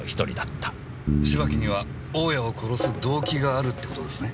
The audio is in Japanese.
芝木には大家を殺す動機があるって事ですね？